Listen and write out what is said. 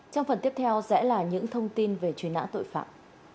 trong phần tiếp theo sẽ là những thông tin về truy nã tội phạm